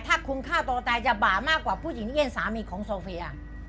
ถ้าคุณฆ่าตัวตายจะบ่ามากกว่าผู้หญิงที่เป็นสามีของโซเฟีย